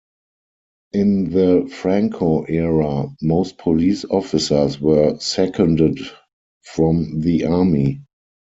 In the Franco era, most police officers were seconded from the army.